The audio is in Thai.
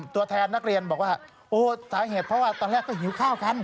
ตัวแทนนักเรียนบอกว่าโอ้สาเหตุเพราะว่าตอนแรกก็หิวข้าวกัน